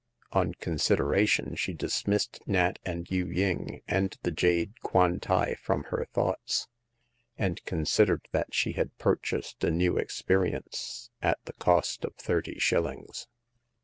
On considlhttion, she dismissed Nat and Yu ying arii^^e jade Kwan tai from her thoughts, and considered that she had purchased a new experience at the cost of thirty shillings.